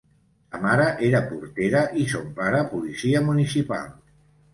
Sa mare era portera i son pare policia municipal.